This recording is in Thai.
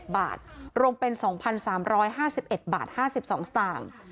บาทรวมเป็น๒๓๕๑บาท๕๒สตางค์